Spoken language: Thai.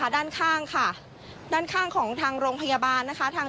ด้านข้างของทางโรงพยาบาล